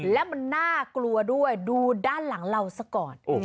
และมันน่ากลัวด้วยดูด้านหลังเราซะก่อน